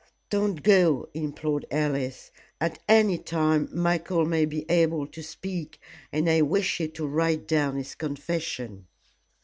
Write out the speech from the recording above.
"Don't go," implored Alice, "at any time Michael may be able to speak, and I wish you to write down his confession."